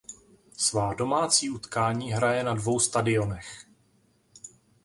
Svá domácí utkání hraje na dvou stadionech.